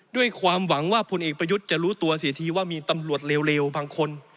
ด้วยความหวังว่าพลเอกประยุทธ์จะรู้ตัวเสียทีว่ามีตำรวจเลวบางคน